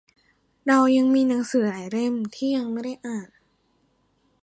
เรายังมีหนังสือหลายเล่มที่ไม่ได้อ่าน